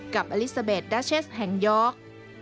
กับอลิซาเบสดาเชสแห่งยอร์ก